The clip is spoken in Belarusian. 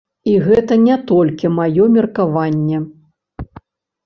І гэта не толькі маё меркаванне.